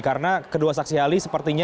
karena kedua saksi ahli sepertinya